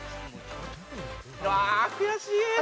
うわ悔しい！